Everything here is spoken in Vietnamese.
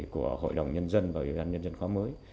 của hội đồng nhân dân và hội đồng nhân dân khóa mới